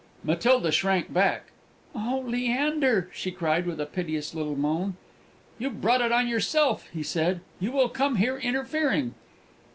Matilda shrank back. "Oh, Leander!" she cried, with a piteous little moan. "You've brought it on yourself!" he said; "you will come here interfering!"